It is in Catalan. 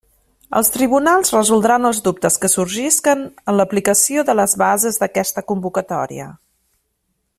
Els tribunals resoldran els dubtes que sorgisquen en l'aplicació de les bases d'aquesta convocatòria.